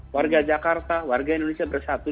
warga jakarta warga indonesia bersatu